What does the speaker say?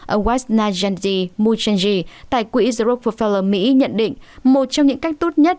ông wajna jandi mujanji tại quỹ europe for fellow mỹ nhận định một trong những cách tốt nhất